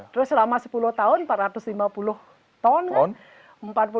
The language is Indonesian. terus selama sepuluh tahun empat ratus lima puluh ton kan